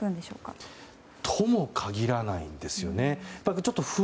そうとも限らないんですね。